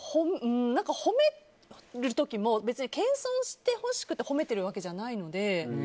褒める時も別に謙遜してほしくて褒めているわけではないので。